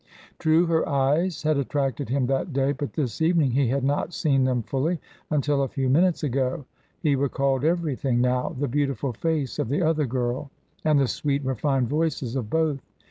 True, her eyes had attracted him that day, but this evening he had not seen them fully until a few minutes ago. He recalled everything now; the beautiful face of the other girl, and the sweet, refined voices of both.